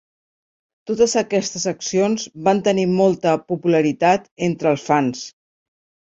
Totes aquestes accions van tenir molta popularitat entre els fans.